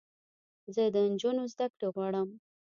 زه د انجونوو زدکړې غواړم